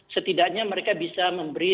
setidaknya mereka bisa memberi